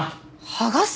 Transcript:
剥がす？